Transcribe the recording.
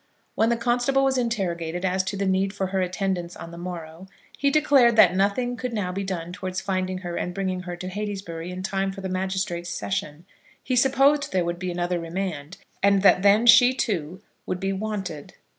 When the constable was interrogated as to the need for her attendance on the morrow, he declared that nothing could now be done towards finding her and bringing her to Heytesbury in time for the magistrates' session. He supposed there would be another remand, and that then she, too, would be wanted.